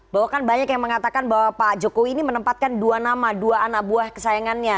bahwa kan banyak yang mengatakan bahwa pak jokowi ini menempatkan dua nama dua anak buah kesayangannya